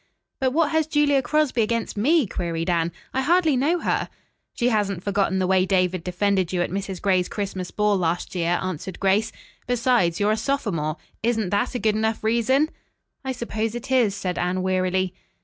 "But what has Julia Crosby against me?" queried Anne, "I hardly know her." "She hasn't forgotten the way David defended you at Mrs. Gray's Christmas ball last year," answered Grace, "Besides, you're a sophomore. Isn't that a good enough reason?" "I suppose it is," said Anne wearily.